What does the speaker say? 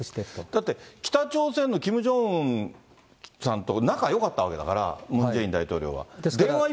だって北朝鮮のキム・ジョンウンさんと仲よかったわけだから、ムン・ジェイン大統領は。